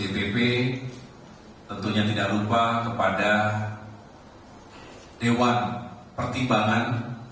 saya juga ingin mengucapkan terima kasih tentunya tidak lupa kepada dewan pertimbangan